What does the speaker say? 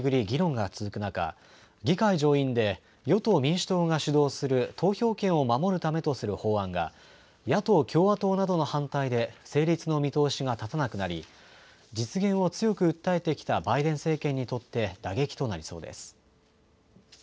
議論が続く中、議会上院で与党・民主党が主導する投票権を守るためとする法案が、野党・共和党などの反対で成立の見通しが立たなくなり、実現を強く訴えてきたバイデン政権にとって打撃となりそうです。